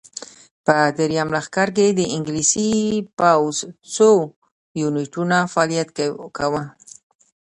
په درېیم لښکر کې د انګلیسي پوځ څو یونیټونو فعالیت کاوه.